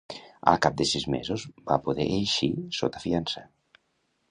Al cap de sis mesos, va poder eixir sota fiança.